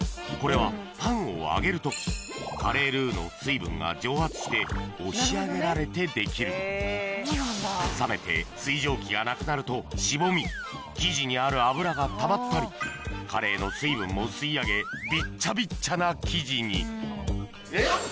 これはパンを揚げる時カレールーの水分が蒸発して押し上げられてできる冷めて水蒸気がなくなるとしぼみ生地にある油がたまったりカレーの水分も吸い上げびっちゃびっちゃな生地にえっ！